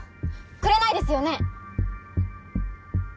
くれないですよね？